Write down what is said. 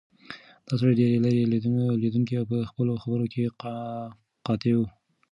دا سړی ډېر لیرې لیدونکی او په خپلو خبرو کې قاطع و.